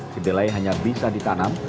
kedelai hanya bisa ditanam